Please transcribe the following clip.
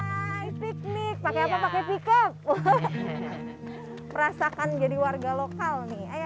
hai piknik pakai pakai pickup perasakan jadi warga lokal nih ayo